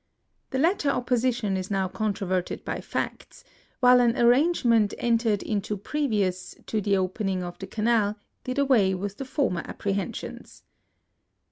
The latter op position is now controverted by facts ; while an arrangement entered into previous to the opening of the Canal, did away with the former apprehensions.